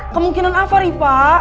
kemungkinan apa rifka